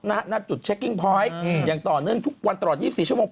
ณจุดเช็คกิ้งพอยต์อย่างต่อเนื่องทุกวันตลอด๒๔ชั่วโมง